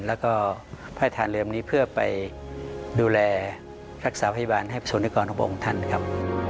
แล้วก็พระราชทานเรือลำนี้เพื่อไปดูแลรักษาพยาบาลให้ประสงค์ด้วยก่อนของพระองค์ท่านครับ